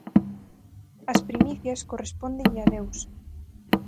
As primicias correspóndenlle a Deus.